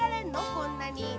こんなに。